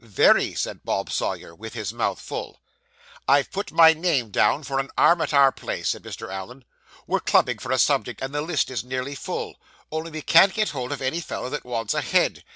'Very,' said Bob Sawyer, with his mouth full. 'I've put my name down for an arm at our place,' said Mr. Allen. 'We're clubbing for a subject, and the list is nearly full, only we can't get hold of any fellow that wants a head.